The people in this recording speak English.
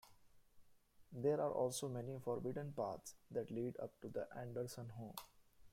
There are also many forbidden paths that lead up to the Anderson home.